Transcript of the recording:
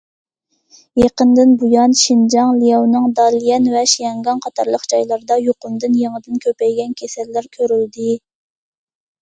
يېقىندىن بۇيان، شىنجاڭ، لياۋنىڭ داليەن ۋە شياڭگاڭ قاتارلىق جايلاردا يۇقۇمدىن يېڭىدىن كۆپەيگەن كېسەللەر كۆرۈلدى.